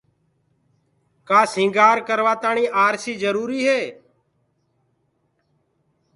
ڪآ سيٚگآر ڪروآ تآڻيٚ آرسيٚ جروُريٚ هي